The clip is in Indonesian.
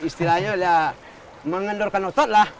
istilahnya mengendorkan otot lah